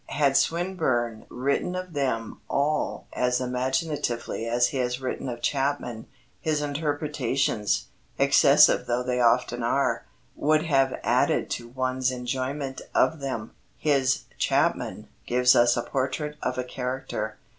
Had Swinburne written of them all as imaginatively as he has written of Chapman, his interpretations, excessive though they often are, would have added to one's enjoyment of them. His Chapman gives us a portrait of a character.